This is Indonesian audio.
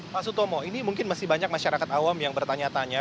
pak sutomo ini mungkin masih banyak masyarakat awam yang bertanya tanya